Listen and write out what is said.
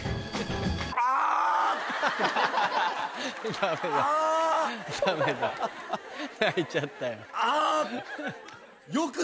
ダメだ泣いちゃったよ。